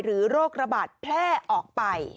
โรคระบาดแพร่ออกไป